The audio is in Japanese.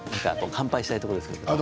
乾杯したいところですけれども。